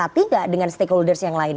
sepakati gak dengan stakeholders yang lain